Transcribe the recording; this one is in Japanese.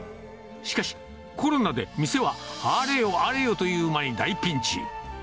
しかし、コロナで店は、あれよあれよという間に大ピンチ。